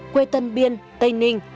quê tân biên tây ninh